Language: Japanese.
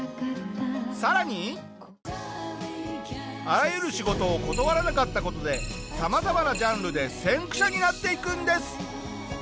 更にあらゆる仕事を断らなかった事でさまざまなジャンルで先駆者になっていくんです。